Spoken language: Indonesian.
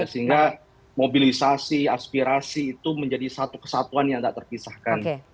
sehingga mobilisasi aspirasi itu menjadi satu kesatuan yang tak terpisahkan